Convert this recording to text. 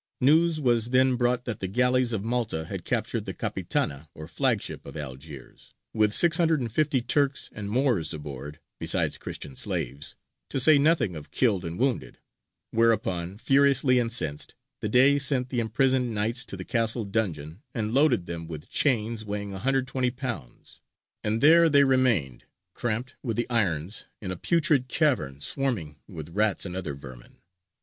News was then brought that the galleys of Malta had captured the capitana or flagship of Algiers, with six hundred and fifty Turks and Moors aboard, besides Christian slaves, to say nothing of killed and wounded: whereupon, furiously incensed, the Dey sent the imprisoned knights to the castle dungeon, and loaded them with chains weighing 120 lbs.; and there they remained, cramped with the irons, in a putrid cavern swarming with rats and other vermin.